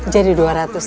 jadi dua ratus ribu